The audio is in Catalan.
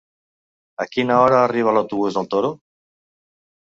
A quina hora arriba l'autobús del Toro?